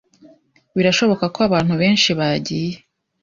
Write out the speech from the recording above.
birashoboka ko abantu benshi bagiye